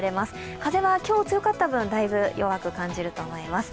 風は今日強かった分、だいぶ弱く感じると思います。